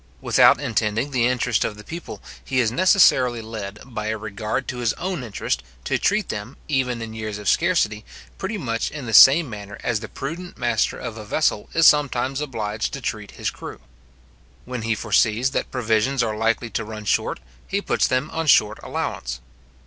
Without intending the interest of the people, he is necessarily led, by a regard to his own interest, to treat them, even in years of scarcity, pretty much in the same manner as the prudent master of a vessel is sometimes obliged to treat his crew. When he foresees that provisions are likely to run short, he puts them upon short allowance.